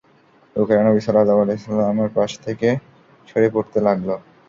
লোকেরা নবী সাল্লাল্লাহু আলাইহি ওয়াসাল্লামের পাশ থেকে সরে পড়তে লাগল।